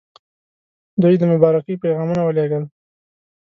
دوی د مبارکۍ پیغامونه ولېږل.